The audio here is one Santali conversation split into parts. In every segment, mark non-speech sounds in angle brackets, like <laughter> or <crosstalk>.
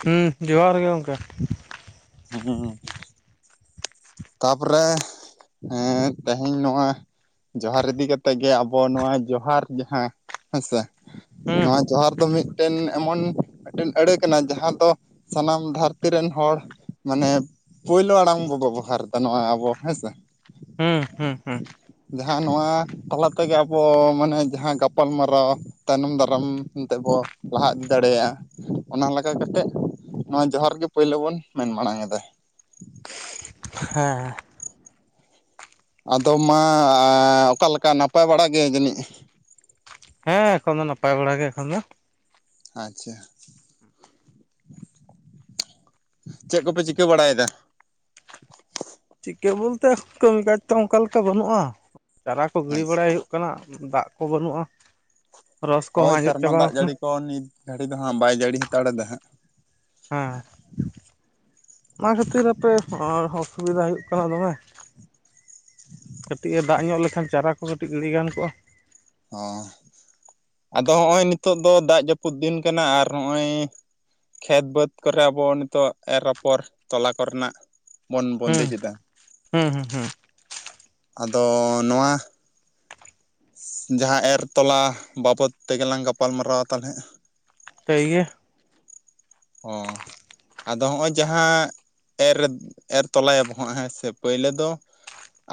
ᱦᱩᱸ ᱡᱚᱦᱟᱨ ᱜᱮ ᱜᱚᱢᱠᱮ ᱾ ᱦᱩᱸᱻ ᱛᱟᱯᱚᱨᱮ ᱦᱮᱸ ᱛᱮᱦᱮᱧ ᱱᱚᱣᱟ ᱡᱚᱦᱟᱨ ᱤᱫᱤ ᱠᱟᱛᱮᱫ ᱜᱮ ᱟᱵᱚ ᱱᱚᱣᱟ ᱡᱚᱦᱟᱨ ᱡᱟᱦᱟᱸ ᱦᱮᱸᱥᱮ ᱦᱩᱸ ᱱᱚᱣᱟ ᱡᱚᱦᱟᱨ ᱫᱚ ᱢᱤᱫ ᱴᱮᱱ ᱮᱢᱚᱱ ᱢᱤᱫᱴᱮᱱ ᱟᱹᱲᱟᱹ ᱠᱟᱱᱟ ᱡᱟᱦᱟᱸ ᱫᱚ ᱥᱟᱱᱟᱢ ᱫᱷᱟᱹᱨᱛᱤ ᱨᱮᱱ ᱦᱚᱲ ᱢᱟᱱᱮ ᱯᱩᱭᱞᱳ ᱟᱲᱟᱝ ᱵᱚ ᱵᱮᱵᱚᱦᱟᱨ ᱮᱫᱟ ᱱᱚᱣᱟ ᱟᱵᱚ ᱦᱮᱸ ᱥᱮ ᱦᱩᱸ ᱦᱩᱸ ᱦᱩᱸ ᱡᱟᱦᱟᱸ ᱱᱚᱣᱟ ᱛᱟᱞᱟ ᱛᱮᱜᱮ ᱟᱵᱚ ᱢᱟᱱᱮ ᱡᱟᱦᱟᱸ ᱜᱟᱯᱟᱞᱢᱟᱨᱟᱣ ᱛᱟᱭᱱᱚᱢ ᱫᱟᱨᱟᱢ ᱛᱮᱵᱚ ᱞᱟᱦᱟ ᱤᱫᱤ ᱫᱟᱲᱮᱭᱟᱜᱼᱟ ᱚᱱᱟ ᱞᱮᱠᱟ ᱠᱟᱛᱮᱜ ᱱᱚᱣᱟ ᱡᱚᱦᱟᱨ ᱜᱮ ᱯᱳᱭᱞᱳ ᱵᱚᱱ ᱢᱮᱱ ᱢᱟᱲᱟᱝ ᱮᱫᱟ ᱾ ᱦᱮᱸᱻ ᱟᱫᱚ ᱢᱟ ᱚᱠᱟ ᱞᱮᱠᱟ ᱱᱟᱯᱟᱭ ᱵᱟᱲᱟ ᱜᱮ ᱡᱟᱹᱱᱤᱡ ᱾ ᱦᱮᱸ ᱮᱠᱷᱚᱱ ᱫᱚ ᱱᱟᱯᱟᱭ ᱵᱟᱲᱟ ᱜᱮ ᱮᱠᱷᱚᱱ ᱫᱚ ᱾ ᱟᱪᱪᱷᱟ ᱪᱮᱫ ᱠᱚᱯᱮ ᱪᱤᱠᱟᱹ ᱵᱟᱲᱟᱭᱮᱫᱟ? ᱪᱤᱠᱟᱹ ᱵᱚᱞᱛᱮ ᱠᱟᱹᱢᱤ ᱠᱟᱡᱽ ᱛᱚ ᱚᱱᱠᱟ ᱞᱮᱠᱟ ᱵᱟᱹᱱᱩᱜᱼᱟ ᱪᱟᱨᱟ ᱠᱚ ᱜᱤᱲᱤ ᱟᱪᱪᱷᱟ ᱵᱟᱲᱟᱭ ᱦᱩᱭᱩᱜ ᱠᱟᱱᱟ ᱫᱟᱜ ᱠᱚ ᱵᱟᱹᱱᱩᱜᱼᱟ ᱨᱚᱥ ᱠᱚᱦᱚᱸ ᱟᱸᱡᱮᱫ ᱪᱟᱵᱟᱣ ᱟᱠᱟᱱᱟ ᱾ ᱛᱚ ᱱᱤᱛ ᱜᱷᱟᱹᱲᱤᱡ ᱫᱚ ᱦᱟᱸᱜ ᱵᱟᱭ ᱡᱟᱹᱲᱤ ᱦᱟᱛᱟᱲᱮᱫᱟ ᱦᱟᱸᱜ ᱾ ᱦᱮᱸᱻ ᱚᱱᱟ ᱠᱷᱟᱹᱛᱤᱨ ᱦᱟᱯᱮ ᱚᱥᱩᱵᱤᱫᱟ ᱦᱩᱭᱩᱜ ᱠᱟᱱᱟ ᱫᱚᱢᱮ ᱾ ᱠᱟᱹᱴᱤᱡ ᱮ ᱫᱟᱜ ᱧᱚᱜ ᱞᱮᱠᱷᱟᱱ ᱪᱟᱨᱟ ᱠᱚ ᱠᱟᱹᱴᱤᱡ ᱜᱤᱲᱤ ᱜᱟᱱ ᱠᱚᱜᱼᱟ ᱾ ᱦᱚᱸ ᱟᱫᱚ ᱦᱚᱸᱜᱼᱚᱭ ᱱᱤᱛᱚᱜ ᱫᱚ ᱫᱟᱜ ᱡᱟᱹᱯᱩᱫ ᱫᱤᱱ ᱠᱟᱱᱟ ᱟᱨ ᱱᱚᱜᱼᱚᱭ ᱠᱷᱮᱛ ᱵᱟᱹᱫᱽ ᱠᱚᱨᱮ ᱟᱵᱚ ᱱᱤᱛᱚᱜ ᱮᱨ ᱚᱯᱚᱨ ᱛᱚᱞᱟ ᱠᱚᱨᱮᱱᱟᱜ ᱵᱚᱱ ᱦᱩᱸ ᱵᱚᱱᱫᱮᱡ ᱮᱫᱟ ᱾ ᱦᱩᱸ ᱦᱩᱸ ᱦᱩᱸᱻ ᱟᱫᱚ ᱱᱚᱣᱟ ᱡᱟᱦᱟᱸ ᱮᱨ ᱛᱚᱞᱟ ᱵᱟᱵᱚᱫ ᱛᱮᱜᱮ ᱞᱟᱝ ᱜᱟᱯᱟᱞ ᱢᱟᱨᱟᱣᱟ ᱛᱟᱦᱚᱞᱮ ᱾ ᱛᱟᱭ ᱜᱮ ᱾ ᱚᱸᱻ ᱟᱫᱚ ᱦᱚᱸᱜᱼᱚᱭ ᱡᱟᱦᱟᱸ ᱮᱨ ᱮᱨ ᱛᱚᱞᱟᱭᱟᱵᱚ ᱦᱟᱸᱜ ᱦᱮᱸ ᱥᱮ ᱯᱳᱭᱞᱳ ᱫᱚ ᱾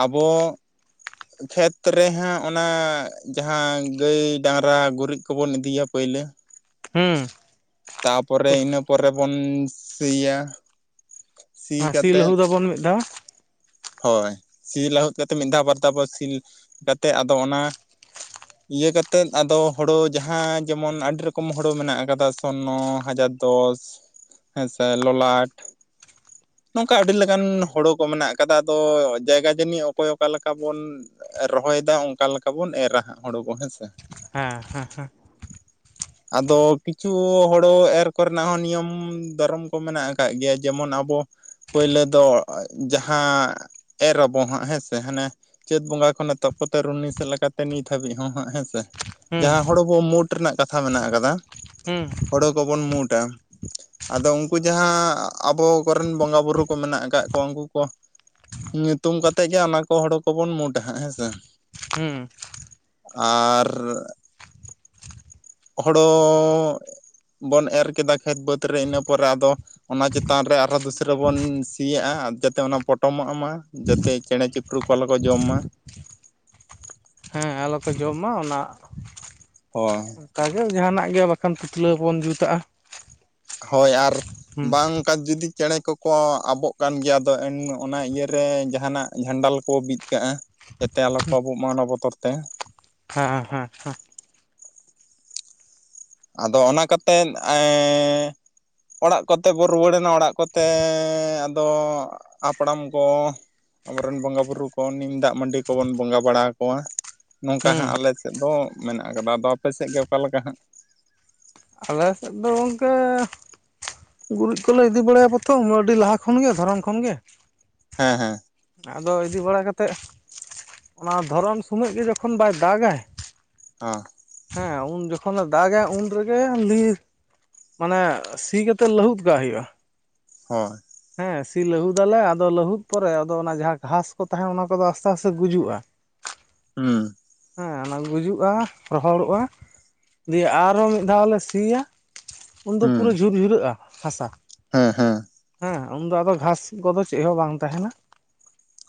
ᱟᱵᱚ ᱠᱷᱮᱛ ᱨᱮᱦᱟᱸᱜ ᱚᱱᱟ ᱡᱟᱦᱟᱸ ᱜᱟᱹᱭ ᱰᱟᱝᱨᱟ ᱜᱩᱨᱤᱡ ᱠᱚᱵᱚᱱ ᱤᱫᱤᱭᱟ ᱯᱟᱹᱭᱞᱟᱹ ᱾ <inaudible> ᱦᱩᱸᱻ ᱤᱱᱟᱹ ᱯᱚᱨᱮ ᱵᱚᱱ ᱥᱤᱭᱟ ᱥᱤ ᱠᱟᱛᱮᱫ ᱞᱟᱹᱦᱩ ᱫᱟᱵᱚᱱ ᱢᱤᱫ ᱫᱷᱟᱣ ᱦᱚᱭ ᱥᱤ ᱞᱟᱹᱦᱩᱫ ᱠᱟᱛᱮᱫ ᱢᱤᱫ ᱫᱷᱟᱣ ᱵᱟᱨ ᱫᱷᱟᱣ ᱵᱚᱱ ᱥᱤ ᱠᱟᱛᱮᱫ ᱟᱫᱚ ᱚᱱᱟ ᱤᱭᱟᱹ ᱠᱟᱛᱮᱫ ᱟᱫᱚ ᱦᱳᱲᱳ ᱡᱟᱦᱟᱸ ᱡᱮᱢᱚᱱ ᱟᱹᱰᱤ ᱨᱚᱠᱚᱢ ᱦᱳᱲᱳ ᱢᱮᱱᱟᱜ ᱟᱠᱟᱫᱟ ᱥᱚᱨᱱᱚ ᱦᱟᱡᱟᱨ ᱫᱚᱥ ᱦᱮᱸ ᱥᱮ ᱞᱚᱞᱟᱴ ᱱᱚᱝᱠᱟ ᱟᱹᱰᱤ ᱞᱮᱠᱟᱱ ᱦᱳᱲᱳ ᱠᱚ ᱢᱮᱱᱟᱜ ᱟᱠᱟᱫᱟ ᱟᱫᱚ ᱡᱟᱭᱜᱟ ᱡᱟᱹᱱᱤᱡ ᱚᱠᱚᱭ ᱚᱠᱟ ᱞᱮᱠᱟ ᱵᱚᱱ ᱨᱚᱦᱚᱭ ᱫᱟ ᱚᱱᱠᱟ ᱞᱮᱠᱟ ᱵᱚᱱ ᱮᱨᱟ ᱦᱟᱜ ᱦᱩᱲᱩ ᱠᱚ ᱦᱮᱸᱥᱮ᱾ ᱦᱮᱸ ᱦᱮᱸ ᱦᱮᱸ᱾ ᱟᱫᱚ ᱠᱤᱪᱷᱩ ᱦᱳᱲᱳ ᱮᱨ ᱠᱚᱨᱮᱱᱟᱜ ᱦᱚᱸ ᱱᱤᱭᱚᱢ ᱫᱷᱚᱨᱚᱢ ᱠᱚ ᱢᱮᱱᱟᱜ ᱠᱟᱜ ᱜᱮᱭᱟ ᱡᱮᱢᱚᱱ ᱟᱵᱚ ᱯᱟᱹᱭᱞᱟᱹ ᱫᱚ ᱡᱟᱦᱟᱸ ᱮᱨ ᱟᱵᱚ ᱦᱟᱸᱜ ᱦᱮᱸ ᱥᱮ ᱦᱟᱱᱮ ᱪᱟᱹᱛ ᱵᱚᱸᱜᱟ ᱠᱷᱚᱱ ᱮᱛᱚᱦᱚᱵ ᱠᱟᱛᱮ ᱨᱩᱱᱦᱤ ᱥᱮᱫ ᱞᱮᱠᱟᱛᱮ ᱱᱤᱛ ᱦᱟᱹᱵᱤᱡ ᱦᱚᱸ ᱦᱟᱸᱜ ᱦᱮᱸ ᱥᱮ᱾ ᱦᱩᱸ ᱡᱟᱦᱟᱸ ᱦᱚᱲᱵᱚ ᱢᱩᱴ ᱨᱮᱱᱟᱜ ᱠᱟᱛᱷᱟ ᱢᱮᱱᱟᱜ ᱠᱟᱫᱟ ᱦᱩᱸ᱾ ᱦᱳᱲᱳ ᱠᱚᱵᱚᱱ ᱢᱩᱴᱟ ᱟᱫᱚ ᱩᱱᱠᱩ ᱡᱟᱦᱟᱸ ᱟᱵᱚ ᱠᱚᱨᱮᱱ ᱵᱚᱸᱜᱟ ᱵᱩᱨᱩ ᱠᱚ ᱢᱮᱱᱟᱜ ᱟᱠᱟᱜ ᱠᱚᱣᱟ ᱩᱱᱠᱩ ᱠᱚ ᱧᱩᱛᱩᱢ ᱠᱟᱛᱮᱜ ᱜᱮ ᱚᱱᱟ ᱠᱚ ᱦᱳᱲᱳ ᱠᱚᱵᱚᱱ ᱢᱩᱴ ᱟ ᱦᱟᱜ ᱦᱮᱸᱥᱮ᱾ ᱦᱩᱸ᱾ ᱟᱨ ᱦᱳᱲᱳ ᱵᱚᱱ ᱮᱨ ᱠᱮᱫᱟ ᱠᱷᱮᱛ ᱵᱟᱹᱫᱽ ᱨᱮ ᱤᱱᱟᱹ ᱯᱚᱨᱮ ᱟᱫᱚ ᱚᱱᱟ ᱪᱮᱛᱟᱱ ᱨᱮ ᱟᱨᱚᱸ ᱫᱩᱥᱨᱟᱹ ᱵᱚᱱ ᱥᱤᱭᱟᱜᱼᱟ ᱡᱟᱛᱮ ᱚᱱᱟ ᱯᱚᱴᱚᱢᱚᱜ ᱢᱟ᱾ ᱡᱟᱛᱮ ᱪᱮᱬᱮ ᱪᱤᱯᱨᱩ ᱠᱚ ᱟᱞᱚᱠᱚ ᱡᱚᱢ ᱢᱟ᱾ ᱦᱮ ᱟᱞᱚ ᱠᱚ ᱡᱚᱢ ᱢᱟ ᱚᱱᱟ ᱦᱳᱭ᱾ ᱚᱱᱠᱟᱜᱮ ᱡᱟᱦᱟᱱᱟᱜ ᱜᱮ ᱵᱟᱠᱷᱟᱱ ᱯᱩᱛᱞᱟᱹ ᱵᱚᱱ ᱡᱩᱛᱟᱜᱼᱟ᱾ ᱦᱳᱭ ᱟᱨ ᱦᱩᱸ ᱵᱟᱝ ᱠᱟᱡ ᱡᱩᱫᱤ ᱪᱮᱬᱮ ᱠᱚᱠᱚ ᱟᱵᱚᱜ ᱠᱟᱱ ᱜᱮᱭᱟ ᱟᱫᱚ ᱩᱱ ᱚᱱᱟ ᱤᱭᱟᱹᱨᱮ ᱡᱟᱦᱟᱱᱟᱜ ᱡᱷᱟᱱᱰᱟᱞ ᱠᱚ ᱵᱤᱫ ᱠᱟᱜᱼᱟ᱾ ᱡᱟᱛᱮ ᱟᱞᱚ ᱠᱚ ᱟᱵᱚᱜ ᱢᱟ ᱚᱱᱟ ᱵᱚᱛᱚᱨ ᱛᱮ᱾ ᱦᱟᱸ ᱦᱟᱸ ᱦᱟᱸ ᱾ ᱟᱫᱚ ᱚᱱᱟ ᱠᱟᱛᱮᱫ ᱮᱸ ᱚᱲᱟᱜ ᱠᱚᱛᱮ ᱠᱚ ᱨᱩᱣᱟᱹᱲᱮᱱᱟ ᱚᱲᱟᱜ ᱠᱚᱛᱮ ᱟᱫᱚ ᱦᱟᱯᱲᱟᱢ ᱠᱚ ᱟᱵᱚᱨᱮᱱ ᱵᱚᱸᱜᱟ ᱵᱩᱨᱩ ᱠᱚ ᱱᱤᱢ ᱫᱟᱜ ᱢᱟᱹᱰᱤ ᱠᱚᱵᱚᱱ ᱵᱚᱸᱜᱟ ᱵᱟᱲᱟᱣ ᱟᱠᱚᱣᱟ᱾ ᱱᱚᱝᱠᱟ ᱦᱟᱸᱜ ᱦᱩᱸ ᱟᱞᱮ ᱥᱮᱫ ᱫᱚ ᱢᱮᱱᱟᱜ ᱠᱟᱫᱟ, ᱟᱫᱚ ᱟᱯᱮ ᱥᱮᱫ ᱜᱮ ᱚᱠᱟᱞᱮᱠᱟ ᱦᱟᱸᱜ? ᱟᱞᱮ ᱥᱮᱫ ᱫᱚ ᱜᱚᱝᱠᱮ ᱜᱩᱨᱤᱡ ᱠᱚᱞᱮ ᱤᱫᱤ ᱵᱟᱲᱟᱭᱟ ᱛᱚ ᱟᱹᱰᱤ ᱞᱟᱦᱟ ᱠᱷᱚᱱᱜᱮ ᱫᱷᱚᱨᱚᱱ ᱠᱷᱚᱱᱜᱮ᱾ ᱦᱮᱸ ᱦᱮᱸ᱾ ᱟᱫᱚ ᱤᱫᱤ ᱵᱟᱲᱟ ᱠᱟᱛᱮᱫ ᱚᱱᱟ ᱫᱷᱚᱨᱚᱱ ᱥᱩᱢᱟᱹᱡ ᱜᱮ ᱡᱚᱠᱷᱚᱱ ᱵᱟᱭ ᱫᱟᱜᱟᱭ ᱦᱟᱸ᱾ ᱦᱮᱸ ᱩᱱ ᱡᱚᱠᱷᱚᱱᱮ ᱫᱟᱜᱟ ᱩᱱ ᱨᱮᱜᱮ ᱞᱤᱧ ᱢᱟᱱᱮ ᱥᱤ ᱠᱟᱛ ᱛᱮᱫ ᱞᱟᱹᱦᱩᱫ ᱠᱟᱜ ᱦᱩᱭᱩᱜᱼᱟ᱾ ᱦᱳᱭ᱾ ᱦᱮᱸ ᱥᱤ ᱞᱟᱹᱦᱩᱫᱟᱞᱮ ᱟᱫᱚ ᱞᱟᱹᱦᱩᱫ ᱯᱚᱨᱮ ᱟᱫᱚ ᱚᱱᱟ ᱡᱟᱦᱟᱸ ᱜᱷᱟᱥ ᱠᱚ ᱛᱟᱦᱮᱱ ᱚᱱᱟ ᱠᱚᱫᱚ ᱟᱥᱛᱮ ᱟᱥᱛᱮ ᱜᱩᱡᱩᱜᱼᱟ᱾ ᱦᱩᱸ᱾ ᱦᱮᱸ ᱚᱱᱟ ᱜᱩᱡᱩᱜᱼᱟ ᱨᱚᱦᱚᱲᱚᱜᱼᱟ ᱫᱤᱭᱮ ᱟᱨᱚ ᱢᱤᱫ ᱫᱷᱟᱣ ᱞᱮ ᱥᱤᱭᱟ᱾ ᱩᱱᱫᱚ ᱦᱩᱸ ᱯᱩᱨᱟᱹ ᱡᱷᱩᱨ ᱡᱷᱩᱨᱟᱹᱜᱼᱟ ᱦᱟᱥᱟ᱾ ᱦᱮᱸ ᱦᱮᱸ᱾ ᱦᱮᱸ ᱩᱱᱫᱚ ᱟᱫᱚ ᱜᱷᱟᱥ ᱠᱚᱫᱚ ᱪᱮᱜ ᱦᱚᱸ ᱵᱟᱝ ᱛᱟᱦᱮᱱᱟ,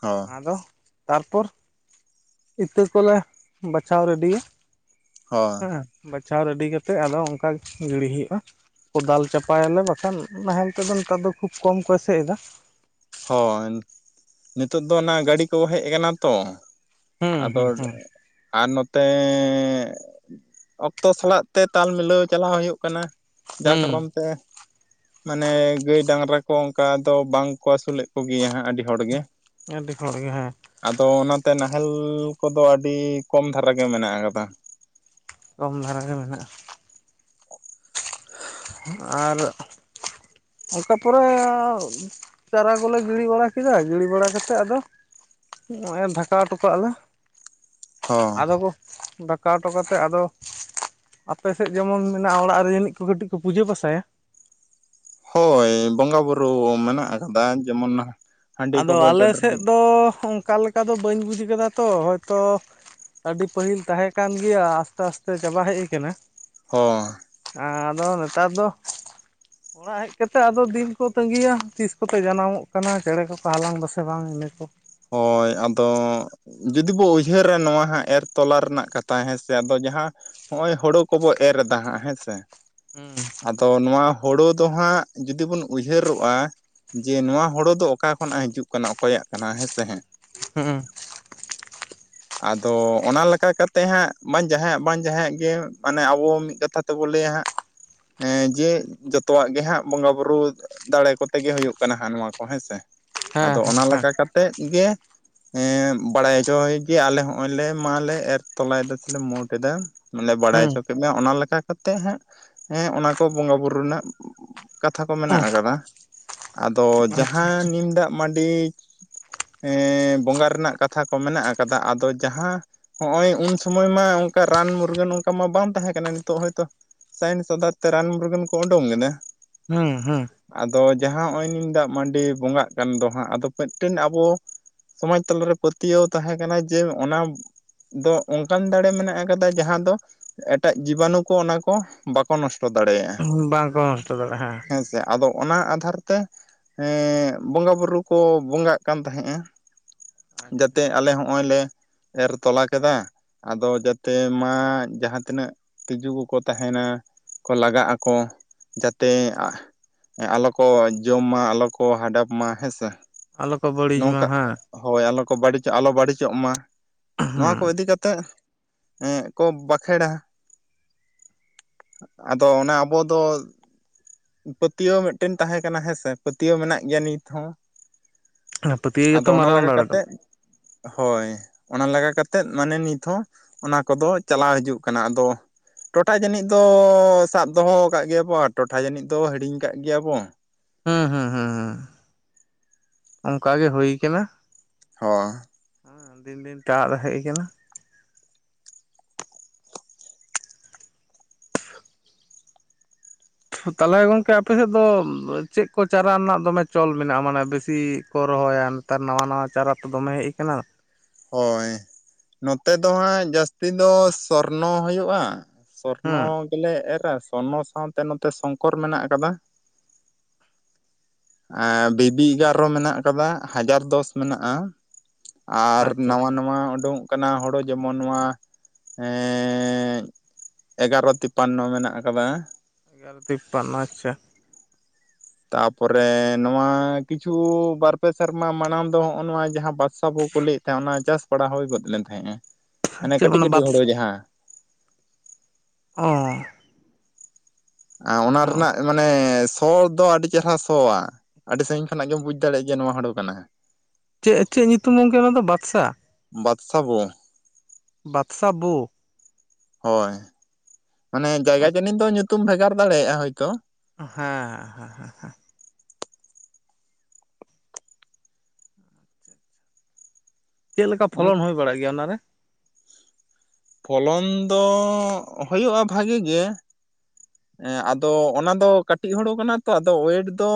ᱦᱚᱸ ᱟᱫᱚ ᱛᱟᱨᱯᱚᱨ ᱤᱛᱟᱹ ᱠᱚᱞᱮ ᱵᱟᱪᱷᱟᱣ ᱨᱮᱰᱤᱭᱟ᱾ ᱦᱚᱸᱻ᱾ ᱦᱮᱸᱻ ᱵᱟᱪᱷᱟᱣ ᱨᱮᱰᱤ ᱠᱟᱛᱮᱫ ᱟᱫᱚ ᱚᱱᱠᱟ ᱜᱤᱲᱤ ᱦᱩᱭᱩᱜᱼᱟ᱾ ᱠᱚᱫᱟᱞ ᱪᱟᱯᱟᱭ ᱟᱞᱮ ᱵᱟᱠᱷᱟᱱ ᱱᱟᱦᱮᱞ ᱛᱮᱫᱚ ᱱᱮᱛᱟᱨ ᱫᱚ ᱠᱷᱩᱵ ᱠᱚᱢ ᱠᱚ ᱮᱥᱮᱫ ᱮᱫᱟ᱾ ᱦᱳᱭ ᱱᱤᱛᱳᱜ ᱫᱚ ᱚᱱᱟ ᱜᱟᱹᱰᱤ ᱠᱚ ᱦᱮᱡ ᱟᱠᱟᱱᱟ ᱛᱚ᱾ ᱦᱩᱸ ᱟᱫᱚ ᱦᱩᱸ ᱦᱩᱸ ᱟᱨ ᱱᱚᱛᱮᱻ᱾ ᱚᱠᱛᱚ ᱥᱟᱞᱟᱜ ᱛᱮ ᱛᱟᱞ ᱢᱤᱞᱟᱹᱣ ᱪᱟᱞᱟᱣ ᱦᱩᱭᱩᱜ ᱠᱟᱱᱟ᱾ ᱡᱟ ᱦᱩᱸ ᱠᱟᱨᱚᱱ ᱛᱮ ᱢᱟᱱᱮ ᱜᱟᱹᱭ ᱰᱟᱝᱨᱟ ᱠᱚ ᱚᱱᱠᱟ ᱫᱚ ᱵᱟᱝ ᱠᱚ ᱟᱹᱥᱩᱞᱮᱫ ᱠᱚ ᱜᱮᱭᱟ ᱦᱟᱸᱜ ᱟᱹᱰᱤ ᱦᱚᱲ ᱜᱮ᱾ ᱟᱹᱰᱤ ᱦᱚᱲ ᱜᱮ ᱦᱮᱸ᱾ ᱟᱫᱚ ᱚᱱᱟᱛᱮ ᱱᱟᱦᱮᱞ ᱠᱚᱫᱚ ᱟᱹᱰᱤ ᱠᱚᱢ ᱫᱷᱟᱨᱟ ᱜᱮ ᱢᱮᱱᱟᱜ ᱟᱠᱟᱫᱟ᱾ ᱠᱚᱢ ᱫᱷᱟᱨᱟ ᱜᱮ ᱢᱮᱱᱟᱜᱼᱟ᱾ ᱟᱨ ᱚᱠᱟ ᱯᱚᱨᱮ ᱪᱟᱨᱟ ᱠᱚᱞᱮ ᱜᱤᱲᱤ ᱵᱟᱲᱟ ᱠᱮᱫᱟ ᱜᱤᱲᱤ ᱵᱟᱲᱟ ᱠᱟᱛᱮᱫ ᱟᱫᱚ ᱱᱚᱜᱼᱚᱭ <unintelligible> ᱦᱚᱸ ᱟᱫᱚ ᱠᱚ᱾ ᱫᱟᱠᱟ ᱦᱚᱴᱚ ᱠᱟᱛᱮᱫ ᱟᱫᱚ ᱟᱯᱮ ᱥᱮᱫ ᱡᱮᱢᱚᱱ ᱢᱮᱱᱟᱜᱼᱟ ᱚᱲᱟᱜ ᱨᱮ ᱡᱟᱹᱱᱤᱡ ᱠᱚ ᱠᱟᱹᱴᱤᱡ <unintelligible> ᱯᱩᱡᱟᱹ ᱯᱟᱥᱟᱭᱟ᱾ ᱦᱳᱭ ᱵᱚᱸᱜᱟ ᱵᱩᱨᱩ ᱢᱮᱱᱟᱜ ᱟᱠᱟᱫᱟ ᱡᱮᱢᱚᱱᱟᱜ ᱟᱫᱚ ᱟᱞᱮ ᱥᱮᱫ ᱫᱚ ᱚᱱᱠᱟ ᱞᱮᱠᱟ ᱫᱚ ᱵᱟᱹᱧ ᱵᱩᱡᱽ ᱠᱟᱫᱟ ᱛᱚ ᱦᱚᱭ ᱛᱚ ᱟᱹᱰᱤ ᱯᱟᱹᱦᱤᱞ ᱛᱟᱦᱮᱸ ᱠᱟᱱ ᱜᱮᱭᱟ ᱟᱥᱛᱮ ᱟᱥᱛᱮ ᱪᱟᱵᱟ ᱦᱮᱡ ᱠᱟᱱᱟ᱾ ᱚᱸᱻ᱾ ᱟᱫᱚ ᱱᱮᱛᱟᱨ ᱫᱚ ᱚᱲᱟᱜ ᱦᱮᱡ ᱠᱟᱛᱮᱜ ᱟᱫᱚ ᱫᱤᱱ ᱠᱚ ᱛᱺᱜᱤᱭᱟ ᱛᱤᱥ ᱠᱚᱛᱮ ᱡᱟᱱᱟᱢᱚᱜ ᱠᱟᱱᱟ ᱪᱮᱬᱮ <inaudible> ᱦᱟᱞᱟᱝ ᱫᱟᱥᱮ ᱵᱟᱝ ᱤᱱᱟᱹ ᱠᱚ᱾ ᱦᱳᱭ ᱟᱫᱚ ᱡᱩᱫᱤ ᱵᱚ ᱩᱭᱦᱟᱹᱨᱟ ᱱᱚᱣᱟ ᱦᱟᱸᱜ ᱮᱨ ᱛᱚᱞᱟ ᱨᱮᱱᱟᱜ ᱠᱟᱛᱷᱟ ᱦᱮᱸ ᱥᱮ ᱟᱫᱚ ᱡᱟᱦᱟᱸ ᱦᱚᱜᱼᱚᱭ ᱦᱳᱲᱳ ᱠᱚᱵᱚ ᱮᱨ ᱫᱟ ᱦᱟᱸᱜ ᱦᱮᱸ ᱥᱮ ᱦᱩᱸ ᱟᱫᱚ ᱱᱚᱣᱟ ᱦᱳᱲᱳ ᱫᱚ ᱦᱟᱸᱜ ᱡᱩᱫᱤ ᱵᱚᱱ ᱩᱭᱦᱟᱹᱨᱚᱜᱼᱟ᱾ ᱡᱮ ᱱᱚᱣᱟ ᱦᱳᱲᱳ ᱫᱚ ᱚᱠᱟ ᱠᱷᱚᱱᱟᱜ ᱦᱤᱡᱩᱜ ᱠᱟᱱᱟ ᱚᱠᱚᱭᱟᱜ ᱠᱟᱱᱟ ᱦᱮᱸᱥᱮ ᱦᱮᱸ᱾ ᱦᱩᱸ <unintelligible> ᱟᱫᱚ ᱚᱱᱟ ᱞᱮᱠᱟ ᱠᱟᱛᱮᱜ ᱦᱟᱸᱜ ᱵᱟᱝ ᱡᱟᱦᱟᱸᱭᱟᱜ ᱵᱟᱝ ᱡᱟᱦᱟᱸᱭᱟᱜ ᱜᱮ ᱢᱟᱱᱮ ᱟᱵᱚ ᱢᱤᱫ ᱠᱟᱛᱷᱟ ᱛᱮ ᱛᱚᱵᱚ ᱞᱟᱹᱭᱟ ᱦᱟᱸᱜ ᱡᱮ ᱡᱚᱛᱚᱣᱟᱜ ᱜᱮ ᱦᱟᱸᱜ ᱵᱚᱸᱜᱟ ᱵᱩᱨᱩ ᱫᱟᱲᱮ ᱠᱚᱛᱮ ᱜᱮ ᱦᱳᱭᱳᱜ ᱠᱟᱱᱟ ᱦᱟᱸᱜ ᱱᱚᱣᱟ ᱠᱚ ᱦᱮᱸᱥᱮ ᱟᱫᱚ ᱚᱱᱟ ᱞᱮᱠᱟ ᱠᱟᱛᱮᱜ ᱜᱮ ᱮᱜ ᱵᱟᱲᱟᱭ ᱦᱚᱪᱚᱭ ᱡᱮ ᱟᱞᱮ ᱦᱚᱸᱜ-ᱚᱭ ᱞᱮ ᱢᱟᱞᱮ ᱮᱨ ᱛᱚᱞᱟᱭᱫᱟ ᱥᱮᱞᱮ ᱢᱳᱴ ᱮᱫᱟ᱾ ᱢᱟᱱᱮ ᱵᱟᱲᱟᱭ ᱦᱚᱪᱚ ᱠᱮᱫ ᱢᱮᱭᱟ ᱚᱱᱟ ᱞᱮᱠᱟ ᱠᱟᱛᱮᱜ ᱦᱟᱸᱜ ᱦᱮᱸᱜ ᱚᱱᱟ ᱠᱚ ᱵᱚᱸᱜᱟ ᱵᱩᱨᱩ ᱨᱮᱱᱟᱜ ᱠᱟᱛᱷᱟ ᱠᱚ ᱢᱮᱱᱟᱜ ᱠᱟᱫᱟ ᱟᱫᱚ ᱡᱟᱦᱟᱸ ᱱᱤᱢ ᱫᱟᱜ ᱢᱟᱹᱰᱤ ᱮᱸᱻ ᱵᱚᱸᱜᱟ ᱨᱮᱱᱟᱜ ᱠᱟᱛᱷᱟ ᱠᱚ ᱢᱮᱱᱟᱜ ᱠᱟᱫᱟ ᱟᱫᱚ ᱡᱟᱦᱟᱸ ᱦᱚᱸᱜ-ᱚᱭ ᱩᱱ ᱥᱳᱢᱳᱭ ᱢᱟ ᱚᱝᱠᱟ ᱨᱟᱱ ᱢᱩᱨᱜᱟᱹᱱ ᱚᱝᱠᱟ ᱢᱟ ᱵᱟᱝ ᱛᱟᱦᱮᱸ ᱠᱟᱱᱟ ᱱᱤᱛᱳᱜ ᱦᱳᱭ ᱛᱚ ᱥᱟᱭᱮᱱᱥ ᱚᱫᱟᱨ ᱛᱮ ᱨᱟᱱ ᱢᱩᱨᱜᱟᱹᱱ ᱠᱚ ᱳᱰᱳᱝ ᱞᱮᱱᱟ ᱦᱩᱸ ᱦᱩᱸ ᱟᱫᱚ ᱡᱟᱦᱟᱸ ᱦᱚᱜᱚᱭ ᱱᱤᱢ ᱫᱟᱜ ᱢᱟᱹᱰᱤ ᱵᱚᱸᱜᱟᱜ ᱠᱟᱱ ᱫᱚ ᱦᱟᱸᱜ ᱟᱫᱚ ᱢᱮᱫ ᱴᱮᱱ ᱟᱵᱚ᱾ ᱥᱚᱢᱟᱡ ᱛᱟᱞᱟ ᱨᱮ ᱯᱟᱹᱛᱭᱟᱹᱣ ᱛᱟᱦᱮᱸ ᱠᱟᱱᱟ ᱡᱮ ᱚᱱᱟ ᱫᱚ ᱚᱱᱠᱟᱱ ᱫᱟᱲᱮ ᱢᱮᱱᱟᱜ ᱠᱟᱫᱟ ᱡᱟᱦᱟᱸ ᱫᱚ ᱮᱴᱟᱜ ᱡᱤᱵᱟᱱᱩ ᱠᱚ ᱚᱱᱟ ᱠᱚ ᱵᱟ ᱠᱚ ᱱᱚᱥᱴᱚ ᱫᱟᱲᱮᱭᱟᱜᱼᱟ ᱦᱩᱸ ᱵᱟᱝᱠᱚ ᱱᱚᱥᱴᱚ ᱫᱟᱲᱮᱭᱟᱜᱼᱟ ᱦᱮᱸ ᱥᱮ ᱟᱫᱚ ᱚᱱᱟ ᱟᱫᱷᱟᱨ ᱛᱮ ᱵᱚᱸᱜᱟ ᱵᱩᱨᱩ ᱠᱚ ᱵᱚᱸᱜᱟᱜ ᱠᱟᱱ ᱛᱟᱦᱮᱸᱜᱼᱟ᱾ ᱟᱪᱪᱷᱟ ᱡᱟᱛᱮ ᱦᱮᱸ ᱟᱞᱮ ᱦᱚᱸᱜᱚᱭ ᱞᱮ ᱮᱨ ᱛᱚᱞᱟ ᱠᱮᱫᱟ᱾ ᱟᱫᱚ ᱡᱟᱛᱮ ᱢᱟ ᱡᱟᱦᱟᱸ ᱛᱤᱱᱟᱹᱜ ᱛᱤᱡᱩ ᱠᱚ ᱠᱚ ᱛᱟᱦᱮᱱᱟ᱾ ᱠᱚ ᱞᱟᱜᱟᱜ ᱟᱠᱚ ᱡᱟᱛᱮᱼᱼ ᱟᱞᱚ ᱠᱚ ᱡᱚᱢ ᱢᱟ ᱟᱞᱚ ᱠᱚ ᱦᱟᱰᱟᱯ ᱢᱟ ᱦᱮᱸ ᱥᱮ ᱟᱞᱚ ᱠᱚ ᱵᱟᱹᱲᱤᱪ ᱢᱟ ᱦᱮᱸ ᱦᱳᱭ ᱟᱞᱚ ᱠᱚ ᱵᱟᱹᱲᱤᱡᱟᱜ ᱟᱞᱚ ᱵᱟᱹᱲᱤᱡᱚᱜ ᱢᱟ ᱱᱚᱣᱟ ᱠᱚ ᱤᱫᱤ ᱠᱟᱛᱮᱼᱼ ᱦᱮᱸᱜ ᱠᱚ ᱵᱟᱠᱷᱮᱲᱼᱟ᱾ ᱟᱫᱚ ᱚᱱᱟ ᱟᱵᱚ ᱫᱚᱼᱼ ᱯᱟᱹᱛᱭᱟᱹᱣ ᱢᱮᱫ ᱴᱮᱱ ᱛᱟᱦᱮᱸ ᱠᱟᱱᱟ ᱦᱮᱸ ᱥᱮ ᱯᱟᱹᱛᱭᱟᱹᱣ ᱢᱮᱱᱟᱜ ᱜᱮᱭᱟ ᱱᱤᱛ ᱦᱚᱸ ᱦᱩᱸ ᱯᱟᱹᱛᱭᱟᱹᱣ ᱟᱫᱚ ᱜᱮᱛᱚ ᱚᱱᱟ ᱢᱟᱨᱟᱝ ᱞᱮᱠᱟ ᱫᱟᱲᱮ ᱫᱚ ᱠᱟᱛᱮᱫ ᱦᱳᱭ ᱚᱱᱟ ᱞᱮᱠᱟ ᱠᱟᱛᱮᱫ ᱢᱟᱱᱮ ᱱᱤᱛ ᱦᱚᱸ ᱚᱱᱟ ᱠᱚ ᱫᱚ ᱪᱟᱞᱟᱣ ᱦᱤᱡᱩᱜ ᱠᱟᱱᱟ ᱟᱫᱚᱼᱼ ᱴᱚᱴᱷᱟ ᱡᱟᱹᱱᱤᱡ ᱫᱚ ᱥᱟᱵ ᱫᱚᱦᱚ ᱠᱟᱜ ᱜᱮᱭᱟᱵᱚ ᱟᱨ ᱴᱚᱴᱷᱟ ᱡᱟᱹᱱᱤᱡ ᱫᱚ ᱦᱤᱲᱤᱧ ᱠᱟᱜ ᱜᱮᱭᱟ ᱵᱚ᱾ ᱦᱩᱸ ᱦᱩᱸ ᱦᱩᱸ ᱦᱩᱸ ᱚᱝᱠᱟ ᱜᱮ ᱦᱳᱭ ᱠᱟᱱᱟ᱾ ᱦᱳ ᱦᱩᱸ ᱫᱤᱱ ᱫᱤᱱ ᱟᱫ ᱦᱮᱡ ᱠᱟᱱᱟ᱾ ᱛᱟᱞᱦᱮ ᱜᱚᱝᱠᱮ ᱟᱯᱮ ᱥᱮᱫ ᱫᱚ ᱪᱮᱫ ᱠᱚ ᱪᱟᱨᱟ ᱨᱮᱱᱟᱜ ᱫᱚᱢᱮ ᱪᱚᱞ ᱢᱮᱱᱟᱜᱼᱟ ᱢᱟᱱᱮ ᱵᱮᱥᱤ ᱠᱚ ᱨᱚᱦᱚᱭᱟ? ᱱᱮᱛᱟᱨ ᱱᱟᱣᱟ ᱱᱟᱣᱟ ᱪᱟᱨᱟ ᱛᱚ ᱫᱚᱢᱮ ᱦᱮᱡ ᱠᱟᱱᱟ᱾ ᱦᱳᱭ ᱱᱚᱛᱮ ᱫᱚ ᱦᱟᱸᱜ ᱡᱟᱹᱥᱛᱤ ᱫᱚ ᱥᱚᱨᱱᱚ ᱦᱳᱭᱳᱜᱼᱟ᱾ ᱥᱚᱨᱱᱚ ᱦᱮᱸ ᱜᱮᱞᱮ ᱮᱨᱟ ᱥᱚᱨᱱᱚ ᱥᱟᱶ ᱛᱮ ᱱᱚᱛᱮ ᱥᱚᱝᱠᱚᱨ ᱢᱮᱱᱟᱜ ᱠᱟᱫᱟ᱾ ᱵᱤᱵᱤ ᱮᱜᱟᱨᱚ ᱢᱮᱱᱟᱜ ᱠᱟᱫᱟ ᱦᱟᱡᱟᱨ ᱫᱚᱥ ᱢᱮᱱᱟᱜᱼᱟ᱾ ᱟᱨ ᱟᱪᱪᱷᱟ ᱱᱟᱣᱟ ᱱᱟᱣᱟᱼᱼ ᱟᱪᱪᱷᱟ ᱱᱚᱣᱟ ᱳᱰᱳᱠᱚᱜ ᱠᱟᱱᱟ ᱦᱳᱲᱳ ᱡᱮᱢᱚᱱ ᱱᱚᱣᱟ ᱮᱜ ᱮᱜᱼᱼ ᱮᱜᱟᱨᱚ ᱛᱤᱯᱟᱱᱱᱚ ᱢᱮᱱᱟᱜ ᱠᱟᱫᱟ᱾ ᱮᱜᱚᱨᱚ ᱛᱤᱯᱟᱱᱱᱚ ᱟᱪᱷᱟ᱾ ᱛᱟᱯᱚᱨᱮ ᱱᱚᱣᱟ ᱠᱤᱪᱷᱩ ᱵᱟᱨ ᱯᱮ ᱥᱮᱨᱢᱟ ᱢᱟᱲᱟᱝ ᱫᱚ ᱦᱚᱜᱚ ᱱᱚᱣᱟ ᱡᱟᱦᱟᱸ ᱵᱟᱥᱼᱼ ᱛᱟᱵᱚ ᱠᱚ ᱞᱟᱹᱭᱮᱫ ᱛᱟᱦᱮᱸᱜ ᱚᱱᱟ ᱪᱟᱥ ᱵᱟᱲᱟ ᱦᱳᱭ ᱜᱚᱫ ᱞᱮᱱ ᱛᱟᱦᱮᱡ ᱦᱟᱱᱮ ᱪᱮᱫ ᱠᱟᱹᱴᱤᱡ ᱚᱱᱟ ᱠᱟᱹᱴᱤᱡ ᱵᱟᱫ ᱦᱳᱲᱳ ᱡᱟᱦᱟ᱾ ᱚᱸᱻ ᱚᱱᱟ ᱨᱮᱱᱟᱜ ᱢᱟᱱᱮ ᱥᱚ ᱫᱚ ᱟᱹᱰᱤ ᱪᱮᱨᱦᱟ ᱥᱚᱣᱟ᱾ ᱟᱹᱰᱤ ᱥᱟᱺᱜᱤᱧ ᱠᱷᱚᱱᱟᱜ ᱜᱮᱢ ᱵᱩᱡᱽ ᱫᱟᱲᱮᱭᱟᱜᱼᱟ ᱡᱮ ᱱᱚᱣᱟ ᱦᱳᱲᱳ ᱠᱟᱱᱟ᱾ ᱪᱮᱫ ᱪᱮᱫ ᱧᱩᱛᱩᱢ ᱜᱚᱝᱠᱮ ᱚᱱᱟ ᱫᱚ ᱵᱟᱫᱥᱟ? ᱵᱟᱫᱥᱟ ᱵᱚ ᱵᱟᱫᱥᱟ ᱵᱚᱼᱼ ᱦᱳᱭ ᱢᱟᱱᱮ ᱡᱟᱭᱜᱟ ᱟᱪᱪᱷᱟ ᱡᱟᱹᱱᱤ ᱫᱚ ᱧᱩᱛᱩᱢ ᱵᱷᱮᱜᱟᱨ ᱫᱟᱲᱮᱭᱟᱜᱼᱟ ᱦᱳᱭᱛᱳ ᱦᱮᱸᱦᱮᱸ ᱦᱮᱸᱦᱮᱸᱦᱮᱸ, ᱪᱮᱫ ᱞᱮᱠᱟ ᱯᱷᱚᱞᱚᱱ ᱦᱩᱭ ᱵᱟᱲᱟᱜ ᱜᱮᱭᱟ ᱚᱱᱟᱨᱮ? ᱯᱷᱚᱞᱚᱱ ᱫᱚ ᱦᱩᱭᱩᱜᱼᱟ ᱵᱷᱟᱜᱤ ᱜᱮ᱾ ᱟᱫᱚ ᱚᱱᱟ ᱫᱚ ᱠᱟᱹᱴᱤᱡ ᱦᱳᱲᱩ ᱠᱟᱱᱟ ᱛᱚ ᱟᱫᱚ ᱳᱭᱮᱴ ᱫᱚᱼᱼ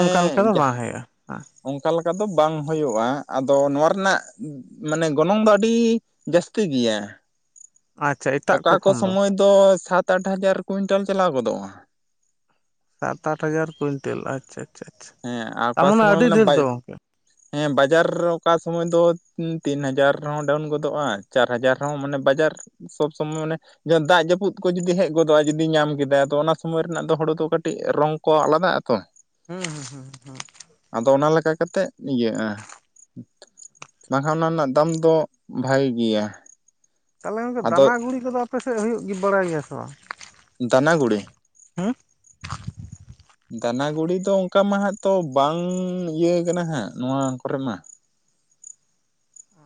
ᱚᱱᱠᱟ ᱞᱮᱠᱟ ᱫᱚ ᱵᱟᱝ ᱦᱩᱭᱩᱜᱼᱟ᱾ ᱚᱱᱠᱟ ᱞᱮᱠᱟ ᱫᱚ ᱵᱟᱝ ᱦᱩᱭᱩᱜᱼᱟ ᱟᱫᱚ ᱱᱚᱣᱟ ᱨᱮᱱᱟᱜᱼᱼ ᱢᱟᱱᱮ ᱜᱚᱱᱚᱝ ᱫᱚ ᱟᱹᱰᱤ ᱡᱟᱹᱥᱛᱤ ᱜᱮᱭᱟ᱾ ᱟᱪᱪᱷᱟ ᱮᱴᱟᱜ ᱚᱠᱟ ᱠᱚ ᱠᱷᱚᱱ ᱥᱚᱢᱚᱭ ᱫᱚ ᱥᱟᱛ ᱟᱴ ᱦᱟᱡᱟᱨ ᱠᱩᱭᱤᱱᱴᱟᱞ ᱪᱟᱞᱟᱣ ᱜᱚᱫᱚᱜᱼᱟ᱾ ᱥᱟᱛ ᱟᱴ ᱦᱟᱡᱟᱨ ᱠᱩᱭᱤᱱᱴᱮᱞ ᱟᱪᱪᱷᱟ ᱟᱪᱪᱷᱟ ᱦᱮᱸ ᱟᱨ ᱚᱠᱟ ᱛᱟᱨᱢᱟᱱᱮ ᱥᱚᱢᱚᱭ ᱟᱹᱰᱤ ᱢᱟᱱᱮ ᱰᱷᱮᱨ ᱵᱟᱭ ᱫᱚ ᱜᱚᱢᱠᱮ? ᱦᱮᱸ ᱵᱟᱡᱟᱨ ᱚᱠᱟ ᱥᱚᱢᱚᱭ ᱫᱚ ᱛᱤᱱ ᱦᱟᱡᱟᱨ ᱦᱚᱸ ᱰᱟᱣᱩᱱ ᱜᱚᱫᱚᱜᱼᱟ᱾ ᱪᱟᱨ ᱦᱟᱡᱟᱨ ᱦᱚᱸ ᱢᱟᱱᱮ ᱵᱟᱡᱟᱨ ᱥᱚᱵᱽ ᱥᱚᱢᱚᱭ ᱢᱟᱱᱮ ᱡᱟ ᱫᱟᱜ ᱡᱟᱹᱯᱩᱫ ᱠᱚ ᱡᱩᱫᱤ ᱦᱮᱡ ᱜᱚᱫᱚᱜᱼᱟ ᱡᱩᱫᱤ ᱧᱟᱢ ᱠᱮᱫᱟᱭ ᱟᱫᱚ ᱚᱱᱟ ᱥᱚᱢᱚᱭ ᱨᱮᱱᱟᱜ ᱫᱚ ᱦᱩᱲᱩ ᱫᱚ ᱠᱟᱹᱴᱤᱡ ᱨᱚᱝ ᱠᱚ ᱟᱞᱟᱫᱟᱜᱼᱟ ᱛᱚ᱾ ᱦᱩᱸ ᱦᱩᱸ, ᱦᱩᱸ, ᱦᱩᱸ᱾ ᱟᱫᱚ ᱚᱱᱟ ᱞᱮᱠᱟ ᱠᱟ ᱠᱟᱛᱮᱫ ᱤᱭᱟᱹᱜᱼᱟ᱾ ᱵᱟᱝᱠᱷᱟᱱ ᱚᱱᱟ ᱨᱮᱱᱟᱜ ᱫᱟᱢ ᱫᱚ ᱵᱷᱟᱹᱜᱮ ᱜᱮᱭᱟ᱾ ᱛᱟᱦᱚᱞᱮ ᱜᱚᱝᱠᱮ ᱟᱫᱚ ᱫᱟᱱᱟ ᱜᱩᱲᱤ ᱠᱚᱫᱚ ᱟᱯᱮ ᱥᱮᱫ ᱦᱩᱭᱩᱜ ᱜᱮ ᱵᱟᱲᱟᱭ ᱜᱮᱭᱟ ᱥᱮ ᱵᱟᱝ? ᱫᱟᱱᱟ ᱜᱩᱲᱤ᱾ ᱦᱮᱸ᱾ ᱫᱟᱱᱟ ᱜᱩᱲᱤ ᱫᱚ ᱚᱱᱠᱟ ᱢᱟ ᱦᱟᱸᱜ ᱛᱚ ᱵᱟᱝ ᱤᱭᱟᱹ ᱠᱟᱱᱟ ᱦᱟᱸᱜ ᱱᱚᱣᱟ ᱠᱚᱨᱮ ᱢᱟ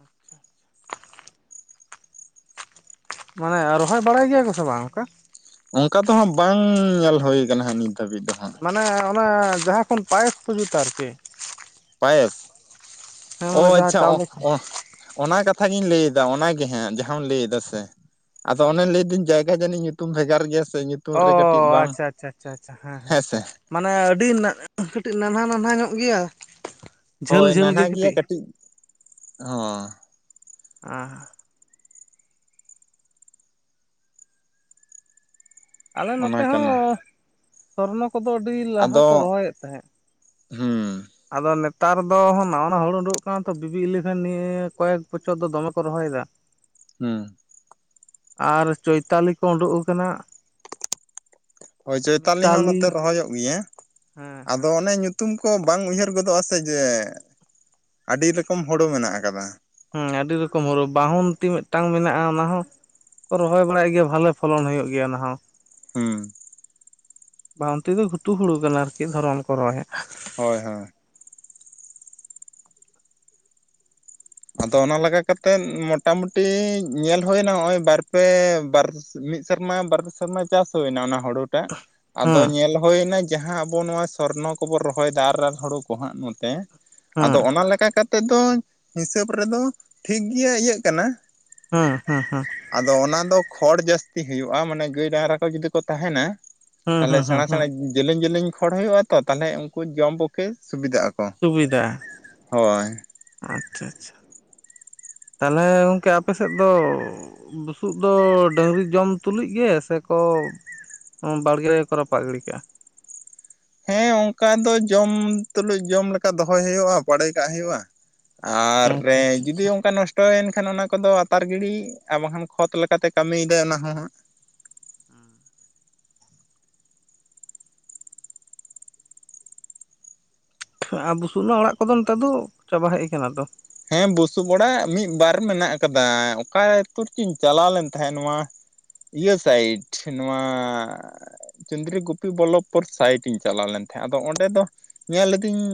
ᱟᱪᱪᱷᱟ, ᱟᱪᱪᱷᱟ᱾ ᱢᱟᱱᱮ ᱨᱚᱦᱚᱭ ᱵᱟᱲᱟᱭ ᱜᱮᱭᱟ ᱠᱚᱥᱮ ᱵᱟᱝ ᱚᱱᱠᱟ? ᱚᱱᱠᱟ ᱫᱚᱦᱟᱸᱜ ᱵᱟᱝ ᱧᱮᱞ ᱦᱩᱭ ᱟᱠᱟᱱᱟ ᱦᱟᱜ ᱱᱤᱛ ᱫᱷᱟᱹᱵᱤᱡ ᱫᱚ ᱦᱟᱸᱜ ᱢᱟᱱᱮ ᱚᱱᱟ ᱡᱟᱦᱟᱸ ᱠᱷᱚᱱ ᱯᱟᱭᱮᱥ ᱠᱚ ᱡᱩᱛ ᱟᱨᱠᱤ᱾ ᱯᱟᱭᱮᱥ ᱦᱮᱸ ᱚ ᱢᱟᱱᱮ ᱡᱟᱦᱟᱸ ᱟᱪᱪᱷᱟ ᱚ ᱪᱟᱣᱞᱮ ᱠᱷᱚᱱ ᱚ ᱚᱱᱟ ᱠᱟᱛᱷᱟ ᱜᱤᱧ ᱞᱟᱹᱭ ᱮᱫᱟ ᱚᱱᱟ ᱜᱮ ᱦᱟᱸᱜ ᱡᱟᱦᱟᱸᱟᱢ ᱞᱟᱹᱭ ᱫᱟ ᱥᱮ ᱟᱫᱚ ᱚᱱᱮ ᱞᱟᱹᱭᱫᱟᱹᱧ ᱡᱟᱭᱜᱟ ᱡᱟᱹᱱᱤᱡ ᱧᱩᱛᱩᱢ ᱵᱷᱮᱜᱟᱨ ᱜᱮᱭᱟ ᱥᱮ ᱚᱻ ᱨᱮ ᱠᱟᱹᱴᱤᱡ ᱵᱟᱝ ᱟᱪᱪᱷᱟ, ᱟᱪᱪᱷᱟ, ᱟᱪᱪᱷᱟ ᱟᱪᱷᱟ ᱦᱮᱸ ᱦᱮᱸ᱾ ᱢᱟᱱᱮ ᱟᱹᱰᱤ ᱠᱟᱹᱴᱤᱡ ᱱᱟᱱᱦᱟ ᱱᱟᱱᱦᱟ ᱧᱚᱜ ᱜᱮᱭᱟ᱾ ᱡᱷᱟᱹᱞ ᱦᱳᱭ ᱡᱷᱟᱹᱞ ᱱᱟᱱᱦᱟ ᱜᱮ ᱜᱮᱭᱟ ᱠᱟᱹᱴᱤᱡ ᱦᱚᱸ᱾ ᱚᱸ᱾ ᱟᱞᱮ ᱱᱚᱛᱮ ᱚᱱᱟ ᱠᱟᱱᱟ ᱦᱚᱸ ᱥᱚᱨᱱᱚ ᱠᱚᱫᱚ ᱟᱹᱰᱤ ᱞᱟᱦᱟ ᱠᱚ ᱟᱫᱚ ᱨᱚᱦᱚᱭᱮᱫ ᱛᱟᱦᱮᱸᱫ ᱦᱩᱸ᱾ ᱟᱫᱚ ᱱᱮᱛᱟᱨ ᱫᱚ ᱱᱟᱣᱟ ᱱᱟᱣᱟ ᱦᱩᱲᱩ ᱩᱰᱩᱠ ᱠᱟᱱᱟ ᱛᱚ, ᱵᱤᱵᱤ ᱤᱞᱤᱵᱷᱮᱱ ᱱᱤᱭᱟᱹ ᱠᱚᱭᱮᱠ ᱵᱚᱪᱷᱚᱨ ᱫᱚ ᱫᱚᱢᱮ ᱠᱚ ᱨᱚᱦᱚᱭ ᱮᱫᱟ᱾ ᱦᱩᱸ᱾ ᱟᱨ ᱪᱳᱭᱛᱟᱞᱤ ᱠᱚ ᱩᱰᱩᱠ ᱟᱠᱟᱱᱟ᱾ ᱦᱳᱭ ᱪᱳᱭᱛᱟᱞᱤ ᱦᱚᱸ ᱢᱤᱛᱟᱞᱤ ᱱᱚᱛᱮ ᱨᱚᱦᱚᱭᱚᱜ ᱜᱮᱭᱟ᱾ ᱦᱮᱸ ᱟᱫᱚ ᱟᱫᱚ ᱚᱱᱮ ᱧᱩᱛᱩᱢ ᱠᱚ ᱵᱟᱝ ᱩᱭᱦᱟᱹᱨ ᱜᱚᱫᱚᱜᱼᱟ ᱥᱮ ᱡᱮ ᱟᱹᱰᱤ ᱨᱚᱠᱚᱢ ᱦᱳᱲᱩ ᱢᱮᱱᱟᱜ ᱟᱠᱟᱫᱟ᱾ ᱦᱮᱸ ᱟᱹᱰᱤ ᱨᱚᱠᱚᱢ ᱦᱚᱲᱩ ᱵᱟᱦᱩᱱᱛᱤ ᱢᱤᱫᱴᱟᱝ ᱢᱮᱱᱟᱜᱼᱟ᱾ ᱚᱱᱟ ᱦᱚᱸ ᱠᱚ ᱨᱚᱦᱚᱭ ᱵᱟᱲᱟᱭᱮᱫ ᱜᱮᱭᱟ᱾ ᱵᱷᱟᱞᱮ ᱯᱷᱚᱞᱚᱱ ᱦᱩᱭᱩᱜ ᱜᱮᱭᱟ, ᱚᱱᱟ ᱦᱚᱸ᱾ ᱦᱮᱸ᱾ ᱵᱟᱝᱟᱱᱛᱤ ᱫᱚ ᱜᱷᱩᱴᱩ ᱦᱩᱲᱩ ᱠᱟᱱᱟ ᱟᱨᱠᱤ ᱫᱷᱚᱨᱚᱢ ᱠᱚᱨᱚᱭ ᱦᱳᱭ, ᱦᱳᱭ᱾ ᱟᱫᱚ ᱚᱱᱟ ᱞᱟᱜᱟ ᱠᱟᱛᱮᱫ ᱢᱚᱴᱟᱢᱩᱴᱤ ᱧᱮᱞ ᱦᱩᱭᱮᱱᱟ ᱱᱚᱜᱼᱚᱭ ᱵᱟᱨᱯᱮ ᱵᱟᱨ ᱢᱤᱫ ᱥᱮᱨᱢᱟ ᱵᱟᱨ ᱥᱮᱨᱢᱟ ᱪᱟᱥ ᱦᱩᱭ ᱮᱱᱟ ᱚᱱᱟ ᱦᱩᱲᱩ ᱴᱟᱜ ᱟᱫᱚ ᱦᱮᱸ ᱧᱮᱞ ᱦᱩᱭᱱᱟ ᱡᱟᱦᱟᱸ ᱟᱵᱚ ᱱᱚᱣᱟ ᱥᱚᱨᱱᱚ ᱠᱚᱵᱚᱱ ᱨᱚᱦᱚᱭ ᱮᱫᱟ ᱟᱨ ᱦᱩᱲᱩ ᱠᱚ ᱦᱟᱸᱜ ᱱᱚᱛᱮ ᱦᱮᱸ ᱟᱫᱚ ᱚᱱᱟ ᱞᱮᱠᱟ ᱠᱟᱛᱮ ᱛᱮᱫᱚ ᱦᱤᱥᱟᱹᱵ ᱨᱮᱫᱚ ᱴᱷᱤᱠ ᱜᱮ ᱤᱭᱟᱹᱜ ᱠᱟᱱᱟ᱾ ᱦᱮᱸ ᱦᱮᱸ ᱦᱮᱸ᱾ ᱟᱫᱚ ᱚᱱᱟ ᱫᱚ ᱠᱷᱚᱲ ᱡᱟᱹᱥᱛᱤ ᱦᱩᱭᱩᱜᱼᱟ᱾ ᱢᱟᱱᱮ ᱜᱟᱹᱭ ᱰᱟᱝᱜᱽᱨᱟ ᱠᱚ ᱡᱩᱫᱤ ᱠᱚ ᱛᱟᱦᱮᱱᱟ᱾ ᱦᱮᱸ ᱛᱟᱦᱚᱞᱮ ᱦᱮᱸ ᱦᱮᱸ ᱥᱮᱬᱟ ᱦᱮᱸ ᱥᱮᱬᱟ ᱡᱮᱞᱮᱧ ᱡᱮᱞᱮᱧ ᱠᱷᱚᱲ ᱦᱩᱭᱩᱜᱼᱟ ᱛᱚ, ᱛᱟᱞᱚᱦᱮ ᱩᱱᱠᱩ ᱡᱚᱢ ᱯᱚᱠᱷᱮ ᱥᱩᱵᱤᱫᱷᱟᱜ ᱟᱠᱚ᱾ ᱥᱩᱵᱤᱫᱷᱟ᱾ ᱦᱳᱭ ᱟᱪᱪᱷᱟ, ᱟᱪᱪᱷᱟ᱾ ᱛᱟᱦᱚᱞᱮ ᱜᱚᱝᱠᱮ ᱟᱯᱮ ᱥᱮᱫ ᱫᱚ ᱵᱩᱥᱩᱵ ᱫᱚ ᱰᱟᱹᱝᱨᱤ ᱡᱚᱢ ᱛᱩᱞᱩᱡ ᱜᱮ ᱥᱮ ᱠᱚ ᱵᱟᱲᱜᱮ ᱨᱮᱠᱚ ᱨᱟᱯᱟᱜ ᱜᱤᱰᱤ ᱠᱟᱜᱼᱟ? ᱦᱮᱸ ᱚᱱᱠᱟ ᱫᱚ ᱡᱚᱢ ᱛᱩᱞᱩᱡ ᱡᱚᱢ ᱞᱮᱠᱟ ᱫᱚᱦᱚᱭ ᱦᱩᱭᱩᱜᱼᱟ᱾ ᱵᱟᱲᱮ ᱠᱟᱜ ᱦᱩᱭᱩᱜᱼᱟ᱾ ᱟᱨ ᱟᱪᱪᱷᱟ ᱨᱮ ᱟᱪᱪᱷᱟ ᱡᱩᱫᱤ ᱟᱪᱪᱷᱟ ᱚᱱᱠᱟ ᱱᱚᱥᱴᱚᱼᱼ ᱛᱚ ᱮᱱᱠᱷᱟᱱ ᱚᱱᱟ ᱠᱚᱫᱚ ᱟᱛᱟᱨ ᱜᱤᱲᱤ, ᱟᱨ ᱵᱟᱝᱠᱷᱟᱱ ᱠᱷᱚᱛ ᱞᱮᱠᱟᱛᱮ ᱠᱟᱹᱢᱤ ᱭᱮᱫᱟᱭ ᱚᱱᱟ ᱦᱚᱸ ᱦᱟᱸᱜ ᱾ ᱟᱨ ᱵᱩᱥᱩᱵ ᱨᱮᱱᱟᱜ ᱚᱲᱟᱜ ᱠᱚᱫᱚ ᱱᱮᱛᱟᱨ ᱫᱚ ᱪᱟᱵᱟ ᱦᱮᱡ ᱟᱠᱟᱱᱟ ᱛᱚ ᱾ ᱦᱮᱸ ᱵᱩᱥᱩᱵ ᱚᱲᱟᱜ ᱢᱤᱫ ᱵᱟᱨ ᱢᱮᱱᱟᱜ ᱟᱠᱟᱫᱟ, ᱚᱠᱟ ᱪᱮᱫ ᱪᱩᱧ ᱪᱟᱞᱟᱣ ᱞᱮᱱ ᱛᱟᱦᱮᱸᱫ ᱱᱚᱣᱟᱼᱼ ᱤᱭᱟᱹ ᱥᱟᱭᱤᱰ ᱱᱚᱣᱟᱼᱼ ᱪᱚᱱᱫᱨᱤ ᱜᱩᱯᱤ ᱵᱚᱞᱚᱵᱯᱩᱨ ᱥᱟᱭᱤᱰ ᱤᱧ ᱪᱟᱞᱟᱣ ᱞᱮᱱ ᱛᱟᱦᱮᱸᱫ ᱾ ᱟᱫᱚ ᱚᱸᱰᱮ ᱫᱚ ᱧᱮᱞ ᱤᱫᱤᱧᱼᱼ